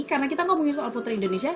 karena kita ngomongin soal putri indonesia